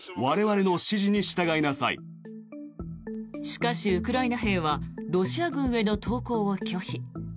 しかしウクライナ兵はロシア軍への投降を拒否。